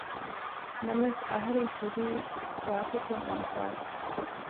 ނަމަވެސް އަހަރެން ކުރީ ސާފު ކޮށް އިންކާރު